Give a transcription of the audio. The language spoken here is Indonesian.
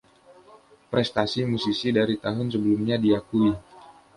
Prestasi musisi dari tahun sebelumnya diakui.